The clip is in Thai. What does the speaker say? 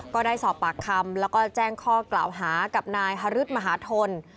ก็ได้สอบปากคำแล้วก็แจ้งข้อกล่าวหากับนายฮารุทมหาธน